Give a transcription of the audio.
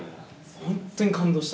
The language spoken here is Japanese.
本当に感動した。